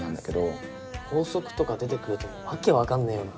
法則とか出てくると訳分かんねえよな。